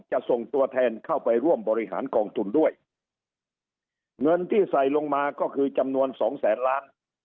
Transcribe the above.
จะส่งตัวแทนเข้าไปร่วมบริหารกองทุนด้วยเงินที่ใส่ลงมาก็คือจำนวนสองแสนล้าน